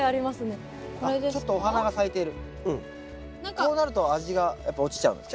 こうなると味がやっぱ落ちちゃうんですか？